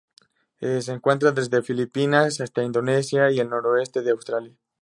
Se encuentra desde Filipinas hasta Indonesia y el noroeste de Australia.